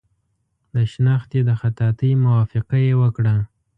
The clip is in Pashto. د شنختې د خطاطۍ موافقه یې وکړه.